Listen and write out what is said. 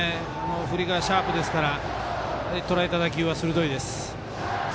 振りがシャープですからとらえた打球は鋭いです。